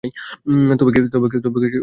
তবে কি তোমরা বুঝবে না?